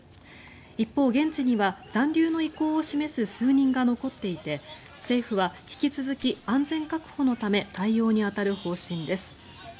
一方、現地には残留の意向を示す数人が残っていて政府は引き続き、安全確保のため対応に当たる方針です。